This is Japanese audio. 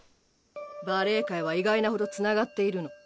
バレエ界は意外なほどつながっているの。